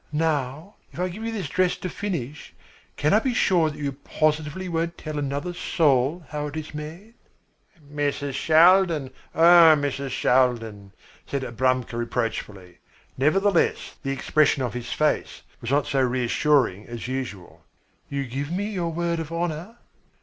Now if I give you this dress to finish, can I be sure that you positively won't tell another soul how it is made?" "Mrs. Shaldin, oh, Mrs. Shaldin," said Abramka reproachfully. Nevertheless, the expression of his face was not so reassuring as usual. "You give me your word of honour?"